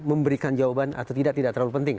memberikan jawaban atau tidak tidak terlalu penting